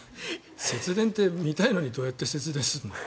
節電って、見たいのにどうやって節電するの？